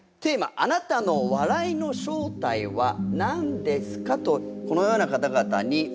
「あなたの笑いの正体は何ですか？」とこのような方々に。